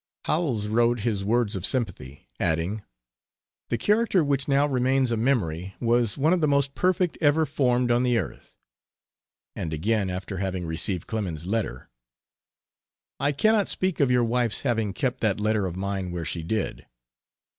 Howells wrote his words of sympathy, adding: "The character which now remains a memory was one of the most perfect ever formed on the earth," and again, after having received Clemens's letter: "I cannot speak of your wife's having kept that letter of mine where she did.